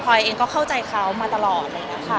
พอยเองก็เข้าใจเขามาตลอดอะไรอย่างนี้ค่ะ